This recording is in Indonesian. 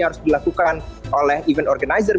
harus dilakukan oleh event organizer